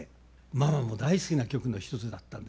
ママも大好きな曲の一つだったんです。